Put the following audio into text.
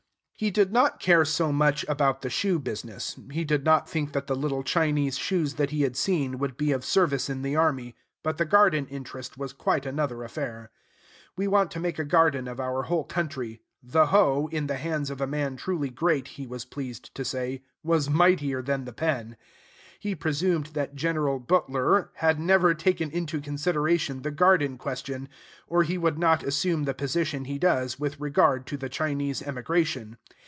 He did not care so much about the shoe business; he did not think that the little Chinese shoes that he had seen would be of service in the army: but the garden interest was quite another affair. We want to make a garden of our whole country: the hoe, in the hands of a man truly great, he was pleased to say, was mightier than the pen. He presumed that General B tl r had never taken into consideration the garden question, or he would not assume the position he does with regard to the Chinese emigration.